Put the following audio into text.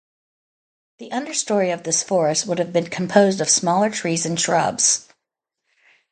The understory of this forest would have been composed of smaller trees and shrubs.